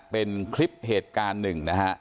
เป็นคลิปเหตุการณ์หนึ่งนะฮะ